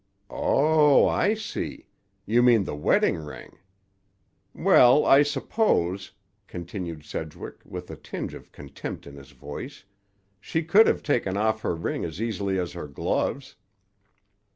"Oh, I see. You mean the wedding ring. Well, I suppose," continued Sedgwick, with a tinge of contempt in his voice, "she could have taken off her ring as easily as her gloves."